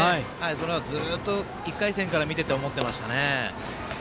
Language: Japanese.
それはずっと１回戦から見て思っていましたね。